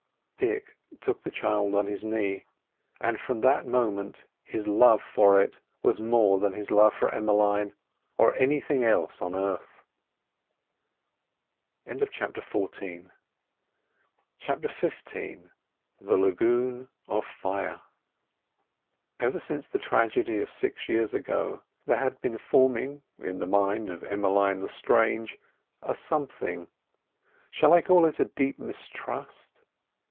Dick took the child on his knee, and from that moment his love for it was more than his love for Emmeline or anything else on earth. CHAPTER XV THE LAGOON OF FIRE Ever since the tragedy of six years ago there had been forming in the mind of Emmeline Lestrange a something—shall I call it a deep mistrust.